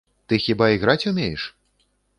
Ты хіба іграць умееш?